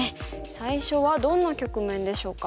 最初はどんな局面でしょうか。